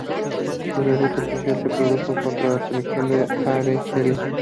Su debut oficial se produjo contra la selección de Argelia.